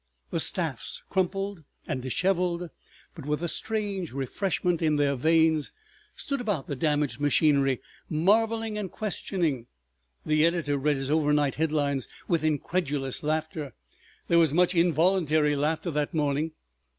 The staffs, crumpled and disheveled, but with a strange refreshment in their veins, stood about the damaged machinery, marveling and questioning; the editor read his overnight headlines with incredulous laughter. There was much involuntary laughter that morning.